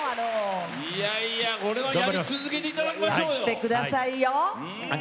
やり続けていただきましょうよ。